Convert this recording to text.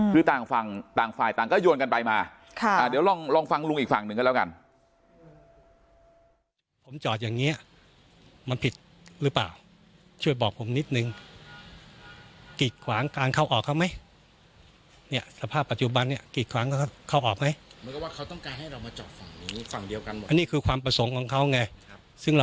คือต่างฝั่งต่างฝ่ายต่างก็โยนกันไปมาเดี๋ยวลองฟังลุงอีกฝั่งหนึ่งก็แล้วกัน